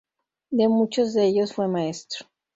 De muchos de ellos fue maestro.